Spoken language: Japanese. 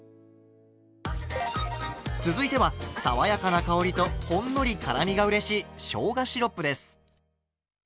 続いては爽やかな香りとほんのり辛みがうれしいしょうがシロップです。